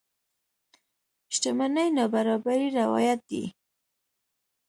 شتمنۍ نابرابرۍ روايت دي.